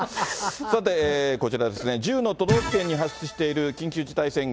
さて、こちらですね、１０の都道府県に発出している緊急事態宣言。